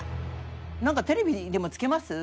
「なんかテレビでもつけます？」